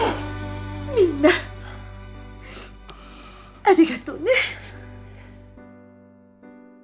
みんなありがとうね。